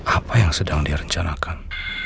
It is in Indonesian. apa yang sedang direncanakan